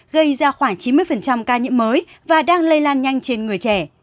gây ra khoảng chín mươi ca nhiễm mới và đang lây lan nhanh trên người trẻ